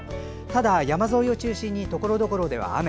ただ山沿いを中心にところどころでは雨。